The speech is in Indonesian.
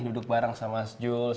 duduk bareng sama jules